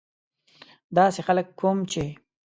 داسې خلک کوم چې.